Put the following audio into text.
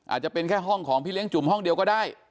อาจจะเป็นแค่ห้องของพี่เลี้ยจุ่มห้องเดียวก็ได้